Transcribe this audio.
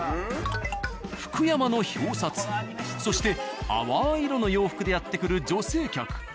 「福山」の表札そして淡い色の洋服でやって来る女性客。